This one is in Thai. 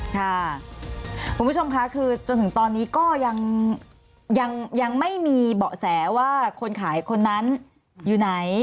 คุณผู้ชมค่ะคือจนถึงตอนนี้ก็ยังไม่มีเบาะแสว่าคนขายคนนั้นอยู่ไหน